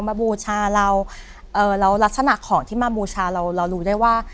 บูชาเราเอ่อแล้วลักษณะของที่มาบูชาเราเรารู้ได้ว่า